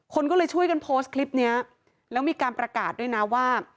คนก็เลยช่วยกันโพสต์คลิปเนี้ยแล้วมีการประกาศด้วยนะว่า